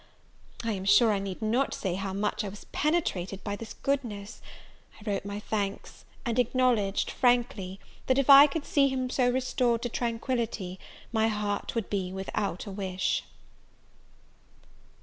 I am sure I need not say how much I was penetrated by this goodness: I wrote my thanks, and acknowledged, frankly, that if I could see him restored to tranquillity, my heart would be without a wish.